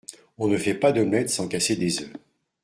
On ne fait pas d’omelette sans casser des œufs.